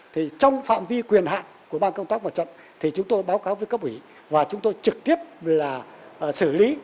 thì trong phạm vi quyền hạn của ban công tác mặt trận thì chúng tôi báo cáo với cấp ủy và chúng tôi trực tiếp là xử lý